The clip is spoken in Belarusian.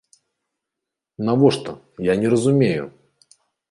Навошта, я не разумею?